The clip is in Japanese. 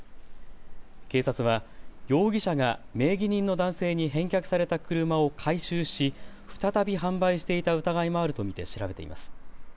警察は容疑者が名義人の男性に返却された車を回収し再び販売していた疑いもあると見て調べています。